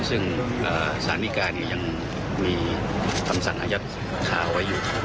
ซึ่งสารดีการยังมีคำสั่งอายัดข่าวไว้อยู่